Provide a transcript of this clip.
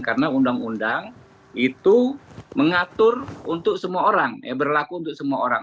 karena undang undang itu mengatur untuk semua orang ya berlaku untuk semua orang